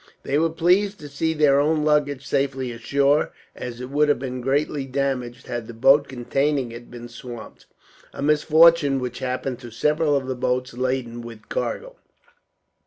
They were pleased to see their own luggage safely ashore; as it would have been greatly damaged, had the boat containing it been swamped; a misfortune which happened to several of the boats laden with cargo.